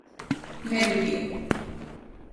Не би био.